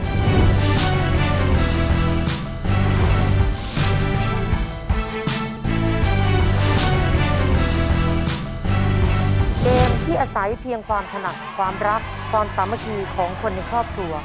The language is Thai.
เกมที่อาศัยเพียงความถนัดความรักความสามัคคีของคนในครอบครัว